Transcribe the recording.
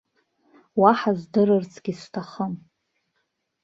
Уаҳа здырырцгьы сҭахым!